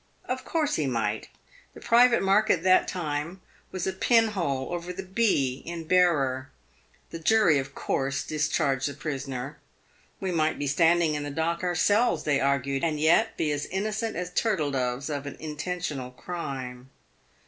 Of course he might. The private mark at that time was a pin hole over the ' B ' in ' Bearer.' The jury of course discharged the prisoner. ' We might be standing in the dock our selves,' they argued, ' and yet be as innocent as turtle doves of an intentional crime.'